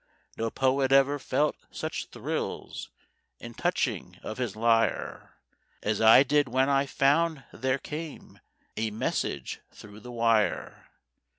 "No poet ever felt such thrills In touching of his lyre As I did when I found there came A message through the wire.